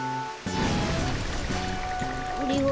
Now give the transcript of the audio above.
これは？